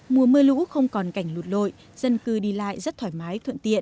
mùa mưa lũ không còn cảnh lụt lội dân cư đi lại rất thoải mái thuận tiện